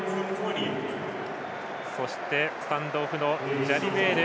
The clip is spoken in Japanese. そしてスタンドオフのジャリベール